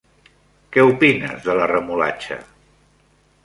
Què opines de la remolatxa?